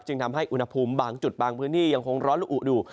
ทำให้อุณหภูมิบางจุดบางพื้นที่ยังคงร้อนละอุดู